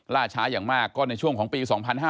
ล่าช้าอย่างมากก็ในช่วงของปี๒๕๕๙